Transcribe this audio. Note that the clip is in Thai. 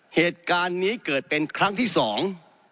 เหตุการณ์นี้เกิดเป็นครั้งที่สอง